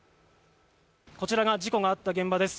こちらが事故があった現場です。